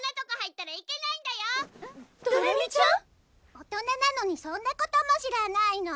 ⁉大人なのにそんなことも知らないの？